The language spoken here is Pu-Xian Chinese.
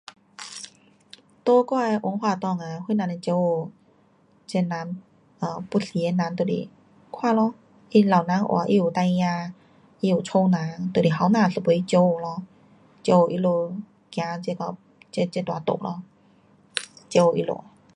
在我的文化内啊，谁人来照顾这人啊，要死的人就是看咯，他老人话他有孩儿，他有家人，就是年轻一辈去照顾咯。照顾他们走这个，这段路咯。照顾他们。